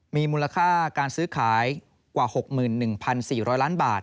มีมูลค่าการซื้อขายกว่า๖๑๔๐๐ล้านบาท